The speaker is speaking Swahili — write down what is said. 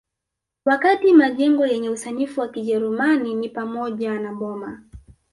Wakati majengo yenye usanifu wa Kijerumani ni pamoja na boma